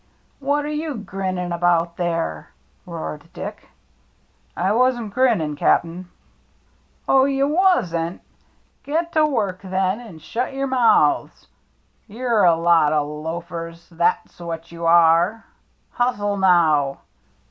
"What are you grinning about there?" roared Dick. " I wasn't grinnin', Cap*n." " Oh, you wasn't. Get to work, then, and shut your mouths. You're a lot o' loafers, that's what you are. Hustle, now